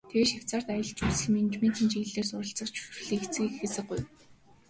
Тэгээд Швейцарьт аялал жуулчлал, менежментийн чиглэлээр суралцах зөвшөөрлийг эцэг эхээсээ гуйв.